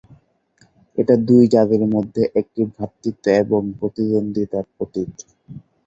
এটা দুই জাতির মধ্যে একটি ভ্রাতৃত্ব এবং প্রতিদ্বন্দ্বিতার প্রতীক।